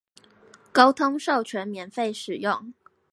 溝通授權免費使用